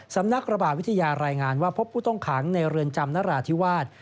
สำนักระบาดวิทยารายงานว่าพบผู้ต้องขังในเรือนจำนราธิวาส